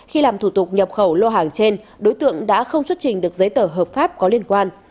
khi làm thủ tục nhập khẩu lô hàng trên đối tượng đã không xuất trình được giấy tờ hợp pháp có liên quan